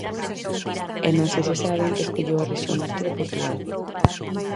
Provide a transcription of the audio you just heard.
E non sei se saben que escolleu a rexión norte de Portugal.